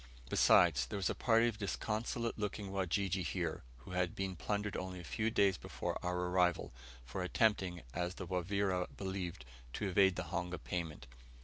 Besides, there was a party of disconsolate looking Wajiji here, who had been plundered only a few days before our arrival, for attempting, as the Wavira believed, to evade the honga payment.